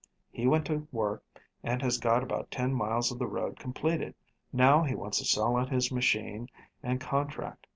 He went to work and has got about ten miles of the road completed. Now he wants to sell out his machine and contract.